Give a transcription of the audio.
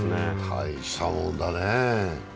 大したもんだね。